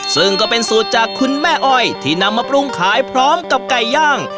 ซึ่งก็เป็นสูตรจากคุณแม่อ้อยที่นำมาปรุงขายพร้อมกับไก่ย่าง